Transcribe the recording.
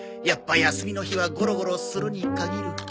やっぱ休みの日はゴロゴロするに限る。